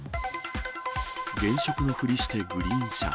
現職のふりしてグリーン車。